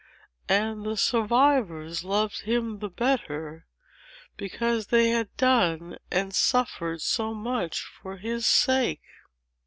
And the survivors loved him the better, because they had done and suffered so much for his sake.